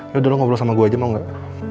yaudah lo ngobrol sama gue aja mau gak